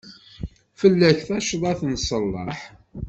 Fell-ak tacḍat n ṣṣellaḥ.